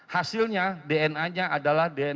hasilnya dna nya adalah dna